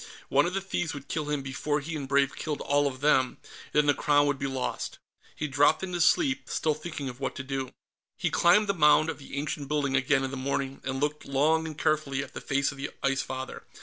One of the thieves would kill him before he and Brave killed all of them, and then the Crown would be lost. He dropped into sleep, still thinking of what to do. He climbed the mound of the ancient building again in the morning, and looked long and carefully at the face of the Ice Father.